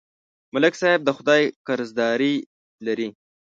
ملک صاحب د خدای قرضداري لري